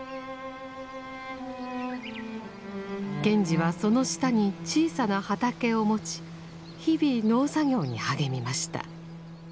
賢治はその下に小さな畑を持ち日々農作業に励みました。